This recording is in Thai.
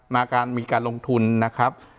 มีการลงทุนนะครับ